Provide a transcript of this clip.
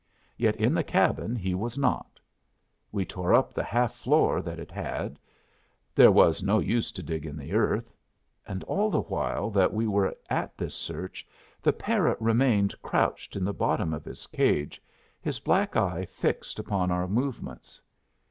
Yet in the cabin he was not; we tore up the half floor that it had. There was no use to dig in the earth. And all the while that we were at this search the parrot remained crouched in the bottom of his cage, his black eye fixed upon our movements.